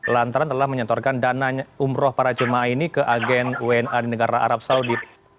lantaran telah menyetorkan dana umroh para jemaah ini ke agen wna di negara arab saudi